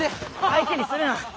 相手にするな。